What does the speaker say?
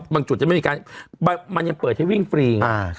จุดจะไม่มีการมันยังเปิดให้วิ่งฟรี